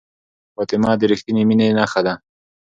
فاطمه د ریښتینې مینې نښه ده.